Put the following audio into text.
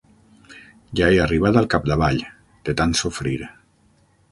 Ja he arribat al capdavall, de tant sofrir.